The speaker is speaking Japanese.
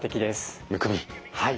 はい。